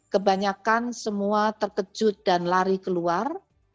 kebanyakan semua terkejut dan lari keluar